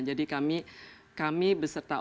jadi kami beserta